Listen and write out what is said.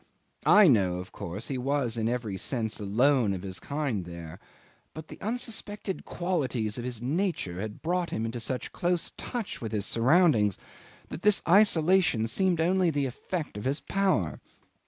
I know, of course, he was in every sense alone of his kind there, but the unsuspected qualities of his nature had brought him in such close touch with his surroundings that this isolation seemed only the effect of his power.